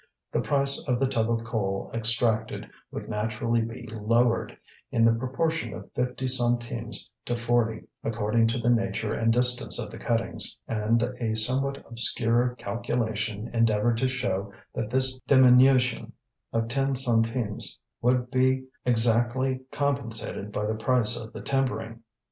The price of the tub of coal extracted would naturally be lowered, in the proportion of fifty centimes to forty, according to the nature and distance of the cuttings, and a somewhat obscure calculation endeavoured to show that this diminution of ten centimes would be exactly compensated by the price of the timbering.